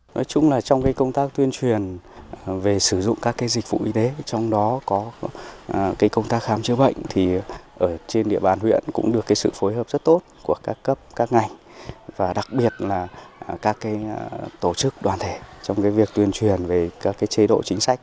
nói chung là trong công tác tuyên truyền về sử dụng các dịch vụ y tế trong đó có công tác khám chữa bệnh thì ở trên địa bàn huyện cũng được sự phối hợp rất tốt của các cấp các ngành và đặc biệt là các tổ chức đoàn thể trong việc tuyên truyền về các chế độ chính sách